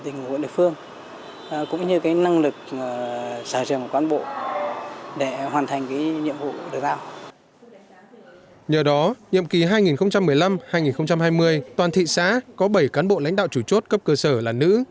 nhờ đó nhiệm kỳ hai nghìn một mươi năm hai nghìn hai mươi toàn thị xã có bảy cán bộ lãnh đạo chủ chốt cấp cơ sở là nữ